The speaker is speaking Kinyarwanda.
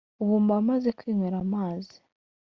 ubu mba maze kwinywera amazi